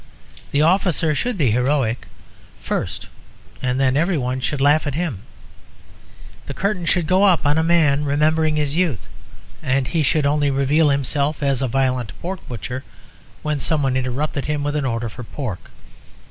The officer should be heroic first and then everyone should laugh at him; the curtain should go up on a man remembering his youth, and he should only reveal himself as a violent pork butcher when someone interrupted him with an order for pork.